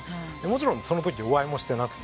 もちろんそのときお会いもしてなくて。